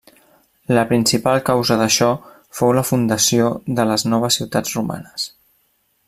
La principal causa d'això fou la fundació de les noves ciutats romanes.